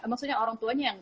maksudnya orang tuanya yang